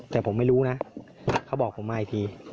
แต่ผมไม่รู้นะเขาบอกผมมาอีกที